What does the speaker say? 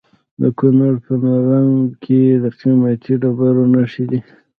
د کونړ په نرنګ کې د قیمتي ډبرو نښې دي.